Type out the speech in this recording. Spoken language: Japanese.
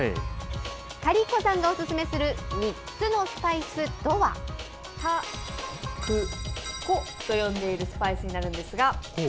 カリー子さんがお勧めする３つのスパイスとは、タクコと呼んでいるスパイスになるんですが。